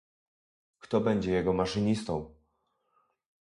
Kto będzie jego maszynistą?